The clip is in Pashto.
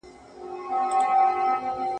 هدیره مي د بابا ده پکښي جوړه ..